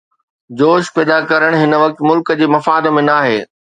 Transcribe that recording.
جوش پيدا ڪرڻ هن وقت ملڪ جي مفاد ۾ ناهي.